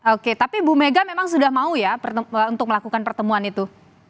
oke tapi bu mega memang sudah mau ya untuk melakukan pertemuan itu